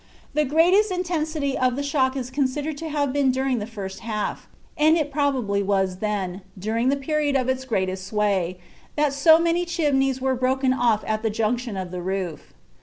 The greatest intensity of the shock is considered to have been during the first half, and it was probably then, during the period of its greatest sway, that so many chimneys were broken off at the junction of the roof.